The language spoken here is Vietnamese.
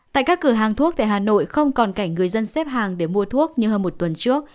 tại các cửa hàng thuốc tại hà nội không còn cảnh người dân xếp hàng để mua thuốc như hơn một tuần trước